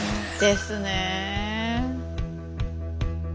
ですね。